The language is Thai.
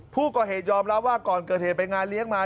ผู้ก่อเหตุยอมรับว่าก่อนเกิดเหตุไปงานเลี้ยงมา